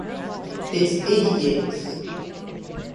It's Iggy Iggs.